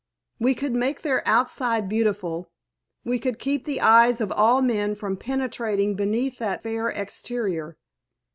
We could make their outside beautiful, we could keep the eyes of all men from penetrating beneath that fair exterior.